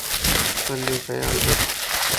پانجو خيال رکَ